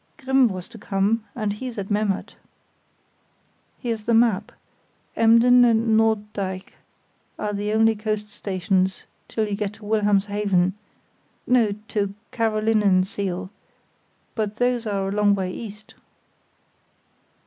Grimm was to come, and he's at Memmert." "Here's the map.... Emden and Norddeich are the only coast stations till you get to Wilhelmshaven—no, to Carolinensiel; but those are a long way east."